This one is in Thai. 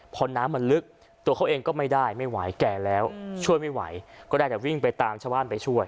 ผมก็อายุหกสิบกว่าแล้วผมจะไป